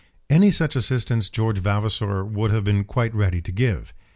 Any such assistance George Vavasor would have been quite ready to give.